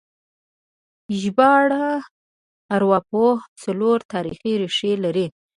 ژبارواپوهنه څلور تاریخي ریښې لري